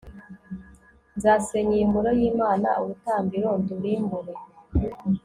nzasenya iyi ngoro y'imana, urutambiro ndurimbure